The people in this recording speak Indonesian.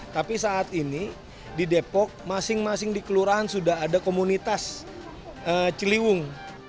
tapi saat ini di depok masing masing di kelurahan sudah ada komunitas ciliwung